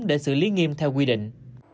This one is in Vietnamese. để xử lý nghiêm theo quy định